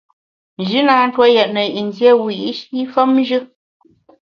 Nji na ntue yètne yin dié wiyi’shi femnjù.